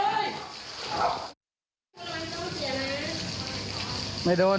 ไหนไอ้มัน